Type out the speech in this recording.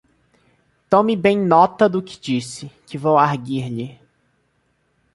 Tome bem nota do que disse, que vou argüir-lhe.